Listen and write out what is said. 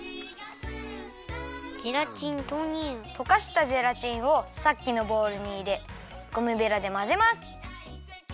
ゼラチンとうにゅう。とかしたゼラチンをさっきのボウルにいれゴムベラでまぜます。